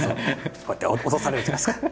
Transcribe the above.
こうやって落とされるじゃないですか。